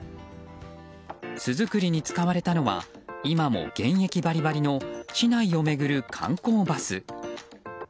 巣作りに使われたのは今も現役バリバリの市内を巡る観光バス。